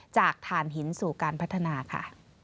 ถ่านหินสู่การพัฒนาค่ะ